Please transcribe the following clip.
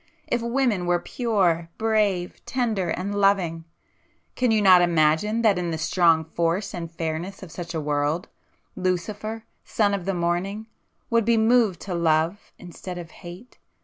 if women were pure, brave, tender and loving,—can you not imagine that in the strong force and fairness of such a world, 'Lucifer, son of the Morning' would be moved to love instead of hate?